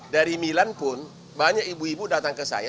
dari milan pun banyak ibu ibu datang ke saya